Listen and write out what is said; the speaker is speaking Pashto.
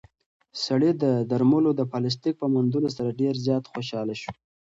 سړی د درملو د پلاستیک په موندلو سره ډېر زیات خوشحاله شو.